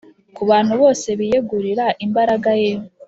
. Ku bantu bose biyegurira imbaraga ye